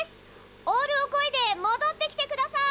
オールをこいでもどってきてください！